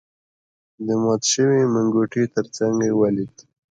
د مات شوی منګوټي تر څنګ ولید.